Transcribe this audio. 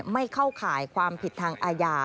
ไม่เข้าข่ายความผิดทางอาญา